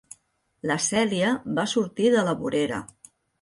La Cèlia va sortir de la vorera.